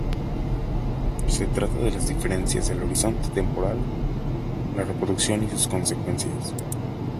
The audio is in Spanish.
Se trata de las diferencias del horizonte temporal en la reproducción y sus consecuencias.